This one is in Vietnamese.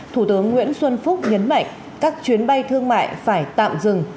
thủ tướng nguyễn xuân phúc nhấn mạnh các chuyến bay thương mại phải tạm dừng